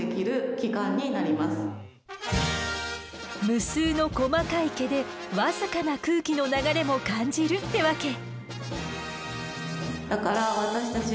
無数の細かい毛で僅かな空気の流れも感じるってわけ。